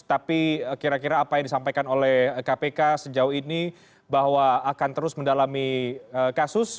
tapi kira kira apa yang disampaikan oleh kpk sejauh ini bahwa akan terus mendalami kasus